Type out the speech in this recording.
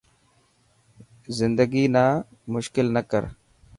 زندگي نا موشڪل نه ڪر.